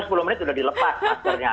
sudah dilepas maskernya